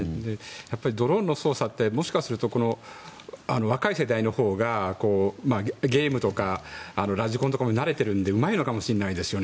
ドローンの操作ってもしかすると若い世代のほうがゲームとかラジコンとかも慣れてるのでうまいのかもしれないですよね。